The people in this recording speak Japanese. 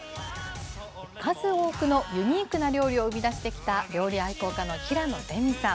数多くのユニークな料理を生み出してきた料理愛好家の平野レミさん。